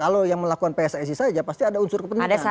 kalau yang melakukan pssi saja pasti ada unsur kepentingan